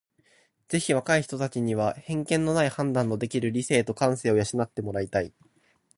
ぜひ若い人たちには偏見のない判断のできる理性と感性を養って貰いたい。